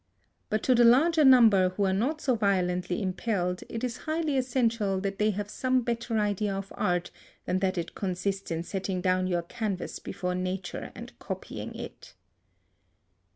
But to the larger number who are not so violently impelled, it is highly essential that they have some better idea of art than that it consists in setting down your canvas before nature and copying it.